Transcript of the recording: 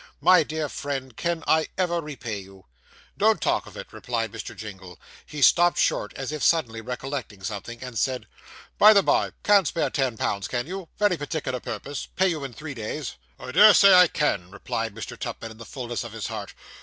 My dear friend, can I ever repay you?' 'Don't talk of it,' replied Mr. Jingle. He stopped short, as if suddenly recollecting something, and said 'By the bye can't spare ten pounds, can you? very particular purpose pay you in three days.' 'I dare say I can,' replied Mr. Tupman, in the fulness of his heart.